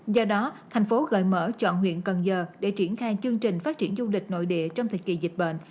do đó thành phố gợi mở chọn huyện cần giờ để triển khai chương trình phát triển du lịch nội địa trong thời kỳ dịch bệnh